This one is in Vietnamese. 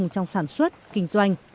bốn trong sản xuất kinh doanh